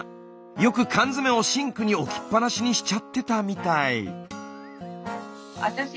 よく缶詰をシンクに置きっぱなしにしちゃってたみたい。